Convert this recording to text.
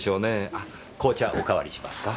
あ紅茶おかわりしますか？